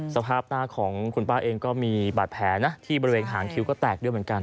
สภาพหน้าของคุณป้าเองก็มีบาดแผลนะที่บริเวณหางคิ้วก็แตกด้วยเหมือนกัน